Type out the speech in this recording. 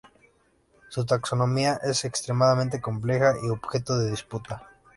Su taxonomía es extremadamente compleja y objeto de disputa.